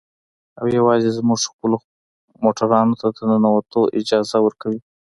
او يوازې زموږ خپلو موټرانو ته د ننوتو اجازه ورکوي.